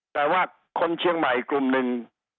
แต่ว่าคนเชียงใหม่กลุ่มหนึ่ง